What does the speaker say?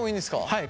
はい。